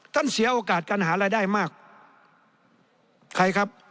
เสียโอกาสการหารายได้มากใครครับ